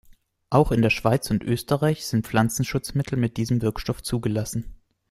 Auch in der Schweiz und Österreich sind Pflanzenschutzmittel mit diesem Wirkstoff zugelassen.